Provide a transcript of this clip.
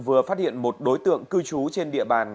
vừa phát hiện một đối tượng cư trú trên địa bàn